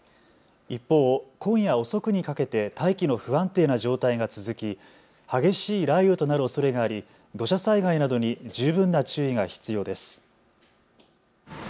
一方、今夜遅くにかけて大気の不安定な状態が続き激しい雷雨となるおそれがあり土砂災害などに十分な注意が必要です。